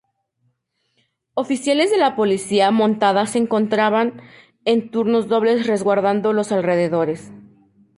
Oficiales de la policía montada se encontraban en turnos dobles resguardando los alrededores.